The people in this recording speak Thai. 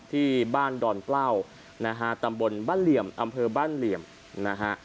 ที่บ้านดอนเกล้านะฮะตำบลบ้านเหลี่ยมอำเภอบ้านเหลี่ยมนะฮะ